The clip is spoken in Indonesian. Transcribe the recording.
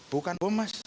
bukan bom mas